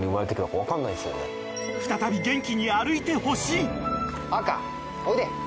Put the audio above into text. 再び元気に歩いてほしい。